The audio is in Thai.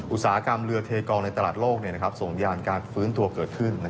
อุตสาหกรรมเรือเทกองในตลาดโลกส่งยานการฟื้นตัวเกิดขึ้น